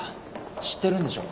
知ってるんでしょ？